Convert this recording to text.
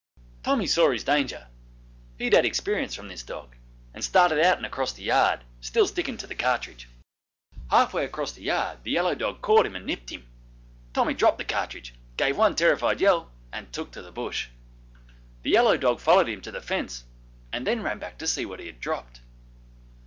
Tommy saw his danger he'd had experience from this dog and started out and across the yard, still sticking to the cartridge. Half way across the yard the yellow dog caught him and nipped him. Tommy dropped the cartridge, gave one terrified yell, and took to the Bush. The yellow dog followed him to the fence and then ran back to see what he had dropped.